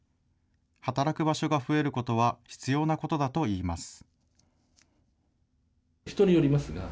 働く場所が増えることは必要なことだといいます。